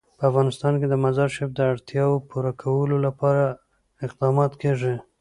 په افغانستان کې د مزارشریف د اړتیاوو پوره کولو لپاره اقدامات کېږي.